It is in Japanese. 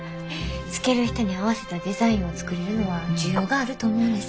着ける人に合わせたデザインを作れるのは需要があると思うんです。